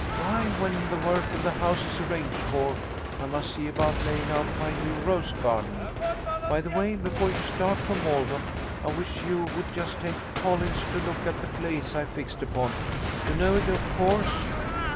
'Why, when the work of the house is arranged for, I must see about laying out my new rose garden. By the way, before you start for Maldon I wish you would just take Collins to look at the place I fixed upon. You know it, of course.'